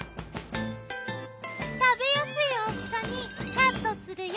食べやすい大きさにカットするよ。